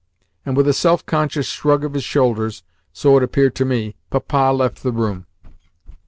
And with a self conscious shrug of his shoulders (so it appeared to me) Papa left the room.